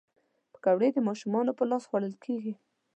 پکورې د ماشومانو په لاس خوړل کېږي